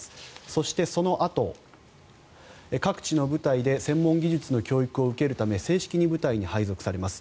そして、そのあと各地の部隊で専門技術の教育を受けるため正式に部隊に配属されます。